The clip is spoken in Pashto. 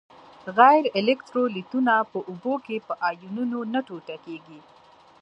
غیر الکترولیتونه په اوبو کې په آیونونو نه ټوټه کیږي.